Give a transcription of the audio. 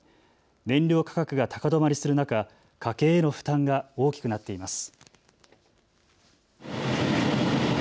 燃料価格が高止まりする中、家計への負担が大きくなっています。